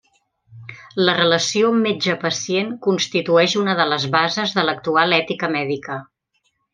La relació metge-pacient constitueix una de les bases de l'actual ètica mèdica.